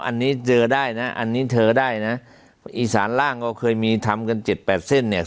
อันนี้เจอได้นะอันนี้เธอได้นะอีสานล่างก็เคยมีทำกันเจ็ดแปดเส้นเนี่ย